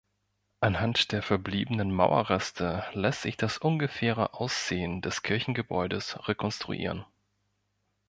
Anhand der verbliebenen Mauerreste lässt sich das ungefähre Aussehen des Kirchengebäudes rekonstruieren.